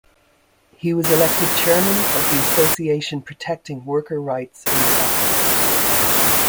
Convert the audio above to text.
He was elected Chairman of the Association protecting worker rights in the factory.